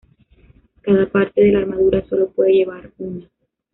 Cada parte de la armadura sólo puede llevar una.